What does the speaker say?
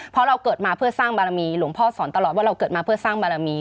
เพราะเราเกิดมาเพื่อสร้างบารมีหลวงพ่อสอนตลอดว่าเราเกิดมาเพื่อสร้างบารมี